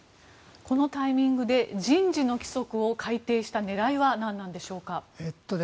このタイミングで人事の規則を改定した狙いは何なんでしょうか。